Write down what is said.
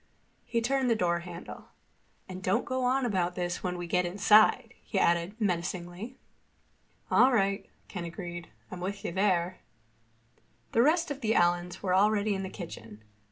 He turned the door handle. "And don't go on about this when we get inside," he added menacingly. "All right," Ken agreed. "I'm with you there." The rest of the Allens were already in the kitchen.